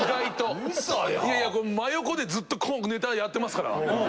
いやいやこれ真横でずっとネタやってますから。